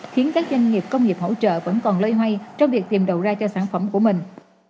khiến các doanh nghiệp công nghiệp hỗ trợ vẫn còn lây hoay trong việc tìm đầu ra cho sản phẩm của mình